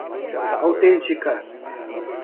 autêntica